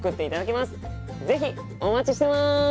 是非お待ちしてます。